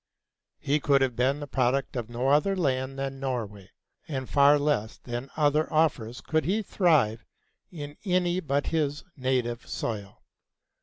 He could have been the product of no other land than Norway, and far less than other authors could he thrive in any but his native soil.